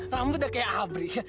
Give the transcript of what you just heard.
rambut dia kayak abrik